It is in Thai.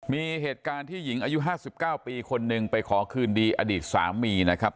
มีเหตุการณ์ที่หญิงอายุ๕๙ปีคนหนึ่งไปขอคืนดีอดีตสามีนะครับ